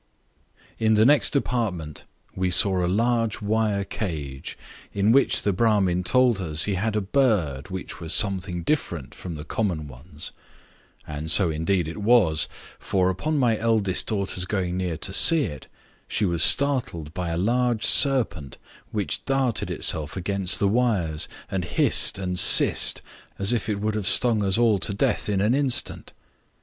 _ In the next apartment we saw a large wire cage, in which the Bramin told us he had a bird which was something different from the common ones; and so indeed it was, for upon my eldest daughter's going near to see it, she was startled by a large serpent which darted itself against the wires, and hissed and sissed as if it would have stung us all to death in an instant.